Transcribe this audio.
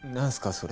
それ。